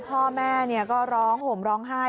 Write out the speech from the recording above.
พ่อแม่ก็ร้องห่มร้องไห้